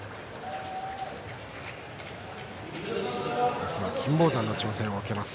明日は金峰山の挑戦を受けます。